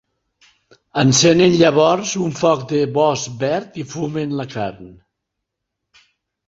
Encenen llavors un foc de bosc verd i fumen la carn.